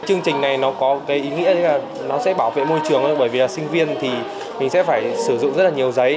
chương trình này nó có cái ý nghĩa là nó sẽ bảo vệ môi trường bởi vì là sinh viên thì mình sẽ phải sử dụng rất là nhiều giấy